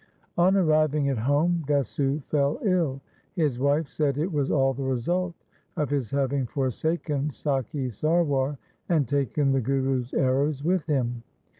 On arriving at home Desu fell ill. His wife said it was all the result of his having forsaken Sakhi Sarwar and taken the Guru's arrows with him.